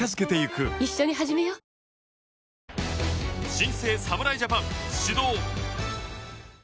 新生侍ジャパン始動。